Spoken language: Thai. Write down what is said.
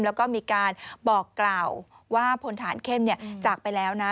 แล้วก็มีการบอกกล่าวว่าพลฐานเข้มจากไปแล้วนะ